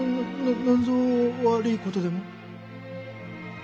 ななんぞ悪いことでも？